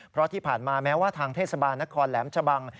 เพราะที่ผ่านมาแม้ว่าทางเทศบาลนครแหลมชะบัง